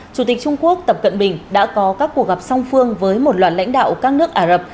chủ tịch trung quốc tập cận bình đã có các cuộc gặp song phương với một loạt lãnh đạo các nước ả rập